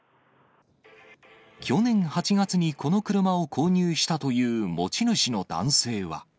去年８月にこの車を購入したという持ち主の男性は。